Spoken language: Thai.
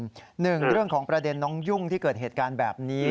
๑จ้างของประเด็นน้องยุ่งที่เกิดเหตุการณ์แบบนี้